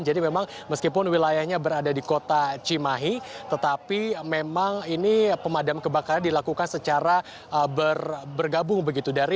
jadi memang meskipun wilayahnya berada di kota cimahi tetapi memang ini pemadam kebakaran dilakukan secara bergabung